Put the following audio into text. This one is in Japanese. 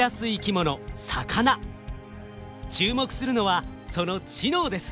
注目するのはその知能です。